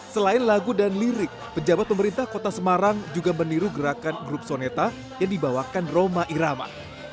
selain lagu dan lirik pejabat pemerintah kota semarang juga meniru gerakan grup soneta yang dibawakan roma irama